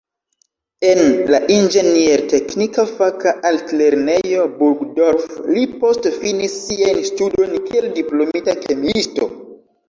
En la inĝenier-teknika faka altlernejo Burgdorf li poste finis siajn studojn kiel diplomita kemiisto.